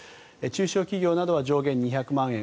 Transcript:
中小企業などは上限２００万円